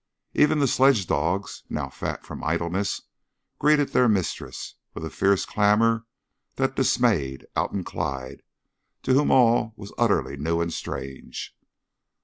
Even the sledge dogs, now fat from idleness, greeted their mistress with a fierce clamor that dismayed Alton Clyde, to whom all was utterly new and strange.